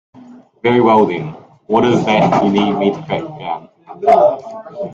Very well then, what is it that you need me to track down?